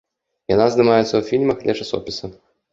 Яна здымаецца ў фільмах для часопіса.